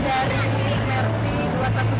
jadi ini merupakan kolaborasi bersama